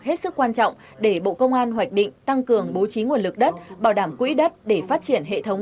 hết sức quan trọng để bộ công an hoạch định tăng cường bố trí nguồn lực đất bảo đảm quỹ đất để phát triển hệ thống